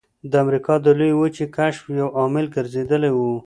د امریکا د لویې وچې کشف یو عامل ګرځېدلی و.